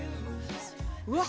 うわっ！